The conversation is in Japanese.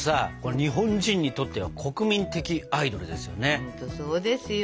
日本人にとっては国民的アイドルですよね。